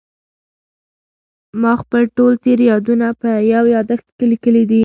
ما خپل ټول تېر یادونه په یو یادښت کې لیکلي دي.